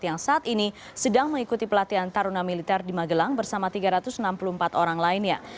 yang saat ini sedang mengikuti pelatihan taruna militer di magelang bersama tiga ratus enam puluh empat orang lainnya